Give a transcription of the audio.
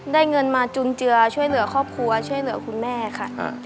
เงินมาจุนเจือช่วยเหลือครอบครัวช่วยเหลือคุณแม่ค่ะ